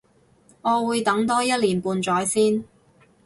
我會等多一年半載先